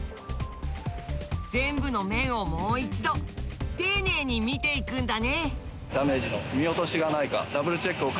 全部の面をもう一度丁寧に見ていくんだね。